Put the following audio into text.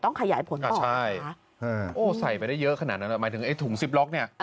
ต้องขยายผลก่อนนะคะอ่าใช่โอ้ใส่ไปได้เยอะขนาดนั้นละหมายถึงไอ้ถุงซิปล็อกเนี่ย